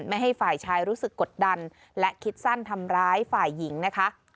ไม่ให้ฝ่ายชายรู้สึกกดดันและคิดสั้นทำร้ายฝ่ายหญิงนะคะ